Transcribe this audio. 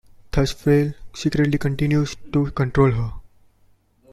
Thus Frail secretly continues to control her.